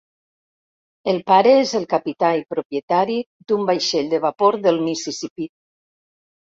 El pare és el capità i propietari d'un vaixell de vapor del Mississipí.